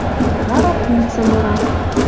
Вара пум цымыра